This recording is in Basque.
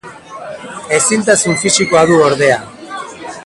Ezintasun fisikoa du, ordea.